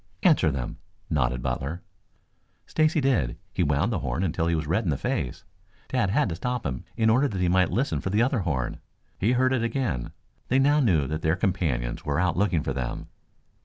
"Answer them," nodded Butler. Stacy did. He wound the horn until he was red in the face. Tad had to stop him in order that he might listen for the other horn. He heard it again. They now knew that their companions were out looking for them.